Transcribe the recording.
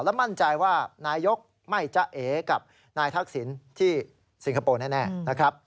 และมั่นใจว่านายกไม่จะเอกับนายทักษิณที่สิงคโปร์แน่นะครับ